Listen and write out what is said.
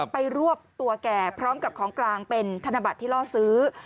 รวบตัวแกพร้อมกับของกลางเป็นธนบัตรที่ล่อซื้อ